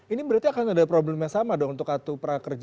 ini berarti akan ada problem yang sama dong untuk kartu prakerja